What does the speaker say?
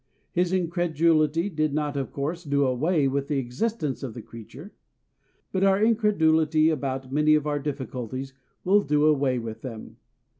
His incredulity did not of course do away with the existence of the creature. But our incredulity about many of our difficulties will do away with them.